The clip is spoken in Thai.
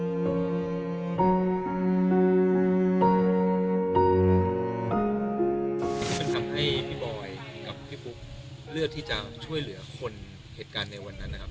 เป็นคำให้พี่บอยกับพี่ปุ๊กเลือกที่จะช่วยเหลือคนเหตุการณ์ในวันนั้นนะครับ